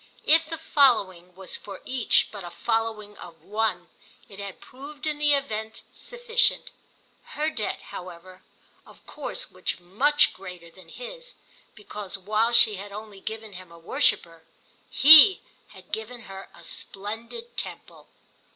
If the following was for each but a following of one it had proved in the event sufficient. Her debt, however, of course was much greater than his, because while she had only given him a worshipper he had given her a splendid temple.